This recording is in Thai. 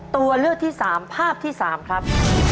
ตัวเลือกที่๓ภาพที่๓ครับ